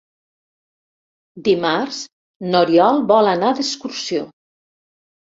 Dimarts n'Oriol vol anar d'excursió.